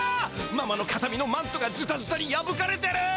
ママの形見のマントがズタズタにやぶかれてる！